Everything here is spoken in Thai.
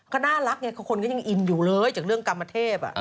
ก็น่ารักไงคนก็ยังอินอยู่เลยจากเรื่องกรรมเทพ